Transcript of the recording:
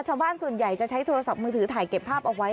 ชาวบ้านส่วนใหญ่จะใช้โทรศัพท์มือถือถ่ายเก็บภาพเอาไว้